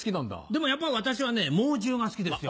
でもやっぱ私はね猛獣が好きですよ。